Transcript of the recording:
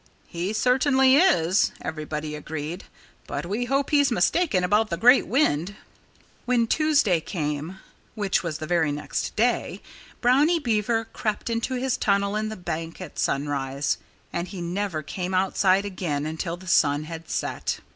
"He certainly is," everybody agreed. "But we hope he's mistaken about the great wind." When Tuesday came which was the very next day Brownie Beaver crept into his tunnel in the bank at sunrise. And he never came outside again until the sun had set.